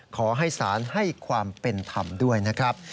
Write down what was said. ขอให้ศาลให้ความเป็นธรรมด้วยนะครับ